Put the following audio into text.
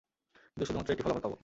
কিন্তু শুধুমাত্র একটি ফলাফল পাবো।